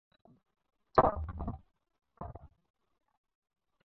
هیواد مې د بڼو د تور سیوري په شان ګران دی